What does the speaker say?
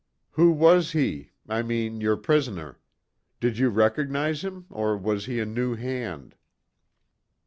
"Who was he? I mean your prisoner. Did you recognize him, or was he a new hand?"